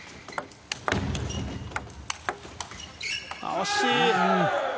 惜しい！